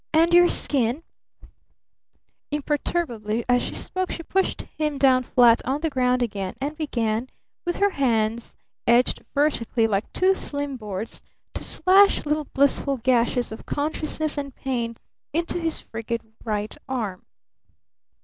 "And your skin " Imperturbably as she spoke she pushed him down flat on the ground again and began, with her hands edged vertically like two slim boards, to slash little blissful gashes of consciousness and pain into his frigid right arm.